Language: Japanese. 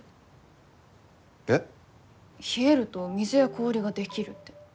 冷えると水や氷が出来るって。